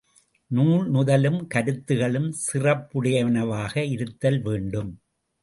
நூல் நுதலும் கருத்துக்களும், சிறப்புடையனவாக இருத்தல் வேண்டும்.